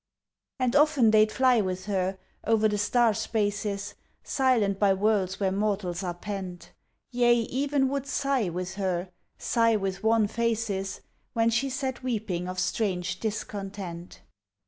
And often they'd fly with her O'er the star spaces Silent by worlds where mortals are pent. Yea, even would sigh with her, Sigh with wan faces! When she sat weeping of strange discontent.